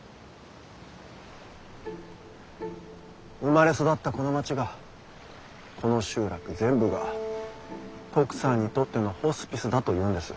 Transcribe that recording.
生まれ育ったこの町がこの集落全部がトクさんにとってのホスピスだというんです。